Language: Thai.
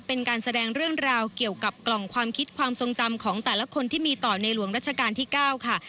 เป็นการแสดงเรื่องราวเกี่ยวกับกล่องความคิดความทรงจำของแต่ละคนที่มีต่อในหลวงรัชกาลที่๙ค่ะ